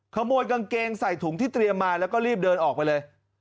ขโมยกางเกงใส่ถุงที่เตรียมมาแล้วก็รีบเดินออกไปเลย